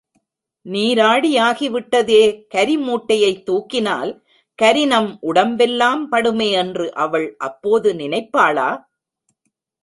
நீராடியாகி விட்டதே கரி மூட்டையைத் தூக்கினால் கரி நம் உடம்பெல்லாம் படுமே என்று அவள் அப்போது நினைப்பாளா?